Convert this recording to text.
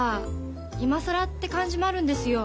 今更って感じもあるんですよ。